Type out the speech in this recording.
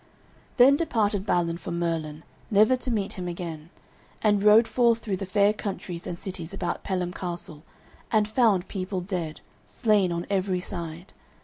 Then departed Balin from Merlin, never to meet him again, and rode forth through the fair countries and cities about Pellam Castle, and found people dead, slain on every side.